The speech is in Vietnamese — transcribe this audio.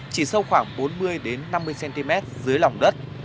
chỉ sâu khoảng bốn mươi năm mươi cm dưới lòng đất